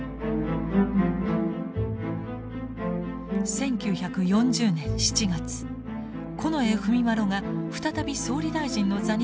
１９４０年７月近衛文麿が再び総理大臣の座に就いた日本。